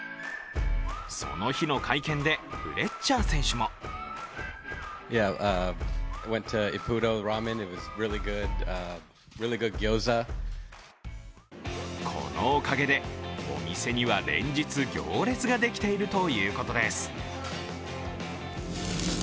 その日の会見でフレッチャー選手もこのおかげでお店には連日、行列ができているということです。